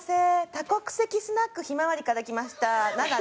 多国籍スナックひまわりから来ましたななです。